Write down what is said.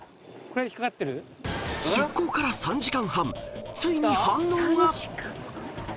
［出港から３時間半ついに反応が！］